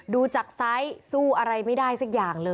ดูจากไซส์สู้อะไรไม่ได้สักอย่างเลย